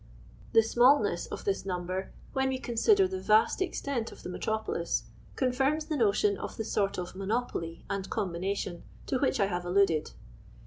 The smallness of this number, when we consider the vast extent of the metropolis, confirms the notion of the sort of monopoly and combination to which I have alluded.